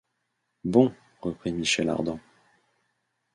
Bon ! reprit Michel Ardan.